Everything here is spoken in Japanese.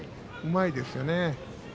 うまいですよね。